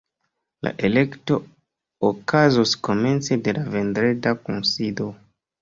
La elekto okazos komence de la vendreda kunsido.